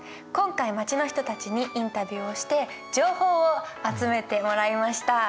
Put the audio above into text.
今回街の人たちにインタビューをして情報を集めてもらいました。